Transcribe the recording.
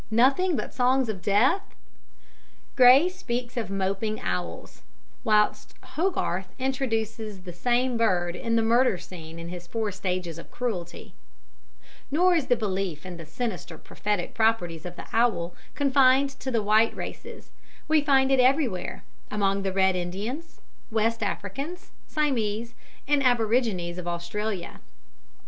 Nothing but songs of death?" Gray speaks of "moping" owls; Chatterton exclaims, "Harke! the dethe owle loude dothe synge"; whilst Hogarth introduces the same bird in the murder scene of his Four Stages of Cruelty. Nor is the belief in the sinister prophetic properties of the owl confined to the white races; we find it everywhere among the Red Indians. West Africans, Siamese, and Aborigines of Australia.